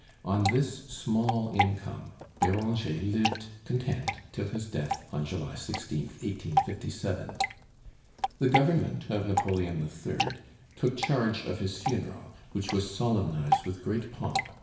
On this small income Béranger lived content till his death on July 16th, 1857. The government of Napoleon III. took charge of his funeral, which was solemnized with great pomp.